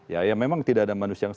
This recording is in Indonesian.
ya ya memang tidak ada manusia yang